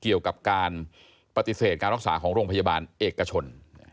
เกี่ยวกับการปฏิเสธการรักษาของโรงพยาบาลเอกชน